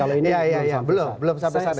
kalau ini belum sampai sana